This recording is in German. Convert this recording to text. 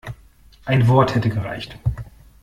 Ein Wort hätte gereicht.